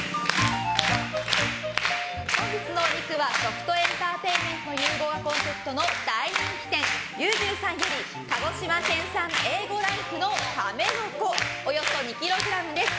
本日のお肉は、食とエンターテインメントの融合がコンセプトの大人気店牛牛さんより鹿児島県産Ａ５ランクのカメノコ、およそ２ｋｇです。